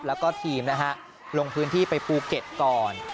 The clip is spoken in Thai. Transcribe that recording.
แล้วก็ทีมนะฮะลงพื้นที่ไปภูเก็ตก่อน